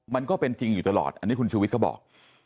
มันก็เป็นจริงอยู่ตลอดอันนี้คุณชูวิทย์เขาบอก